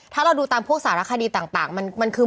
ถ้าเราดูตามพวกสารคดีต่างมันคือ